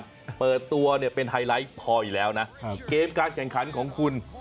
การเปิดตัวเป็นไฮไลท์พออีกแล้วนะเกมการแข่งขันของคุณ